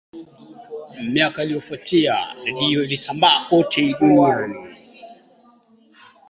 miaka iliyofuata redio ilisambaa kote duniani